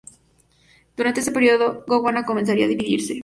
Durante este período, Gondwana comenzaría a dividirse.